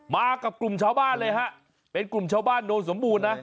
มากับกลุ่มชาวบ้านเลยฮะเป็นกลุ่มชาวบ้านโนนสมบูรณ์นะ